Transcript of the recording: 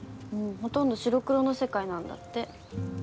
ほとんど白黒の世界なんだって。